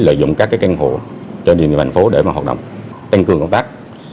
lợi dụng các căn hộ trên địa bàn thành phố để hoạt động tăng cường công tác